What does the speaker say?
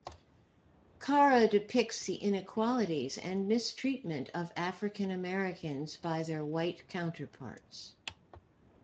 Kara depicts the inequalities and mistreatment of African Americans by their white counterparts.